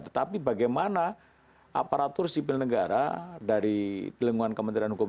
tetapi bagaimana aparatur sipil negara dari lingkungan kementerian hukum